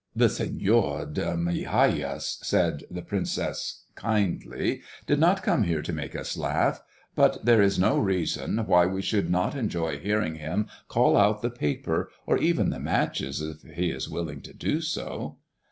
"The Señor de Migajas," said the princess, kindly, "did not come here to make us laugh. But there is no reason why we should not enjoy hearing him call out the paper or even matches if he is willing to do so."